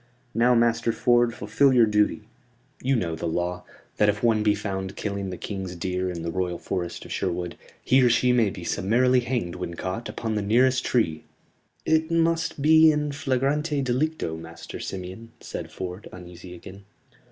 "Now, Master Ford, fulfil your duty. You know the law; that if one be found killing the King's deer in the Royal Forest of Sherwood, he or she may be summarily hanged when caught upon the nearest tree." "It must be in flagrante delicto, Master Simeon," said Ford, uneasy again.